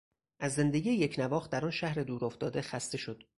از زندگی یکنواخت در آن شهر دورافتاده خسته شد.